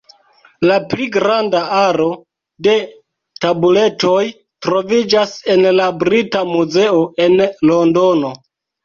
La pli granda aro de tabuletoj troviĝas en la Brita Muzeo, en Londono.